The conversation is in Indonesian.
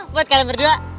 buat kalian berdua